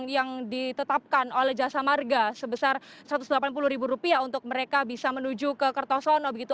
yang ditetapkan oleh jasa marga sebesar rp satu ratus delapan puluh ribu rupiah untuk mereka bisa menuju ke kertosono begitu